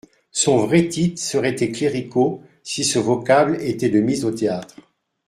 Son vrai titre serait tes Cléricaux, si ce vocable était de mise au théâtre.